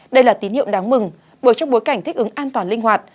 đây là tín hiệu đáng mừng bởi trong bối cảnh thích ứng an toàn linh hoạt